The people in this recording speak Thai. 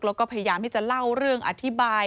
แล้วก็พยายามที่จะเล่าเรื่องอธิบาย